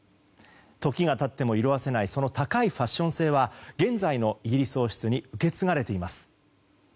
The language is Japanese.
時が経っても色あせないその高いファッション性は現在のイギリス王室に受け継がれています。